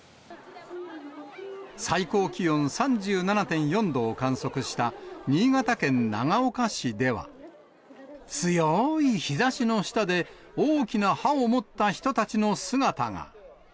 最高気温３７．４度を観測した新潟県長岡市では、強い日ざしの下で、大きな刃を持った人たちの姿が。